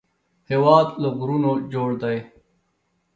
هېواد له غرونو جوړ دی